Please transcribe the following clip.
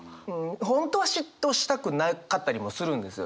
本当は嫉妬したくなかったりもするんですよ